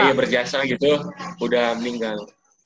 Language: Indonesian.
iya berjasa gitu udah meninggal